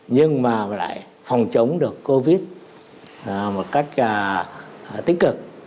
nhưng mà lại phòng chống được covid một cách tích cực